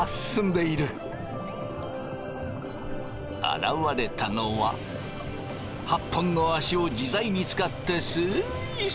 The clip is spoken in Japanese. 現れたのは８本の足を自在に使ってスイスイ。